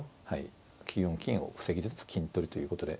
９四金を防ぎつつ金取りということで。